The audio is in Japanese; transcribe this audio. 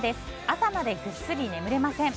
朝までぐっすり眠れません。